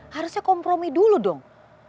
harusnya kompromi dulu dong